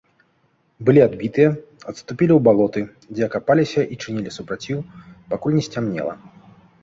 Былі адбітыя, адступілі ў балоты, дзе акапаліся і чынілі супраціў, пакуль не сцямнела.